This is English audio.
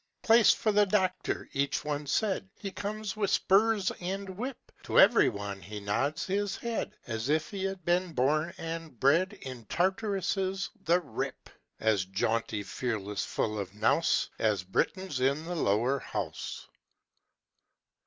"Place for the doctor!" each one said He comes with spurs and whip, To every one he nods his head, As if he had been born and bred In Tartarus the rip! As jaunty, fearless, full of nous As Britons in the Lower House.